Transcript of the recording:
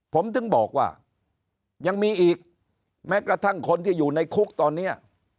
ผมถึงบอกว่ายังมีอีกแม้กระทั่งคนที่อยู่ในคุกตอนนี้